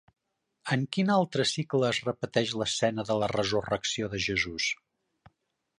En quin altre cicle es repeteix l'escena de la Resurrecció de Jesús?